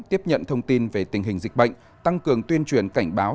tiếp nhận thông tin về tình hình dịch bệnh tăng cường tuyên truyền cảnh báo